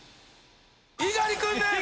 猪狩君です！